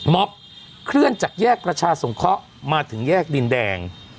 มอบเคลื่อนจากแยกประชาสงเคราะห์มาถึงแยกดินแดง